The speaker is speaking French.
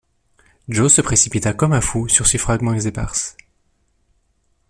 Joe se précipita comme un fou sur ces fragments épars.